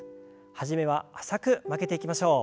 初めは浅く曲げていきましょう。